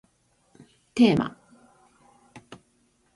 テーマ